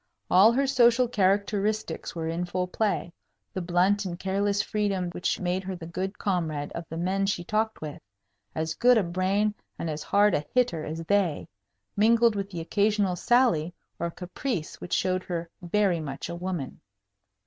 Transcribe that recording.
All her social characteristics were in full play; the blunt and careless freedom which made her the good comrade of the men she talked with as good a brain and as hard a hitter as they mingled with the occasional sally or caprice which showed her very much a woman.